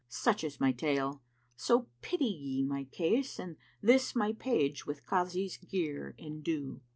Such is my tale! So pity ye my case * And this my page with Kazi's gear indue."